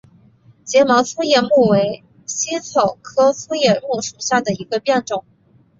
睫毛粗叶木为茜草科粗叶木属下的一个变种。